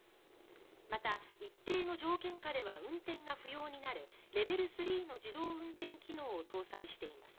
また、一定の条件下では運転が不要になるレベル３の自動運転機能を搭載しています。